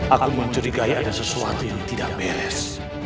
akan mencurigai ada sesuatu yang tidak beres